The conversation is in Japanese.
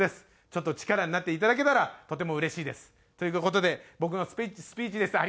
ちょっと力になっていただけたらとてもうれしいです。という事で僕のスピーチでした。